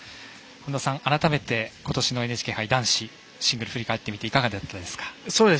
本田さん、改めて今年のＮＨＫ杯男子シングルを振り返ってみていかがだったですか？